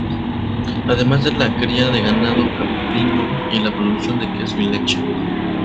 Además de la cría de ganado caprino y la producción de leche y queso.